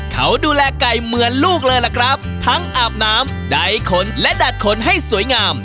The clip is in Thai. เขาดูแลไก่เหมือนลูกเลยล่ะครับทั้งอาบน้ำใดขนและดัดขนให้สวยงาม